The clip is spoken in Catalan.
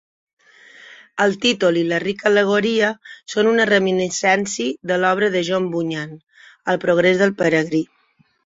El títol i la rica al·legoria són una reminiscència de l'obra de John Bunyan, "El progrés del peregrí".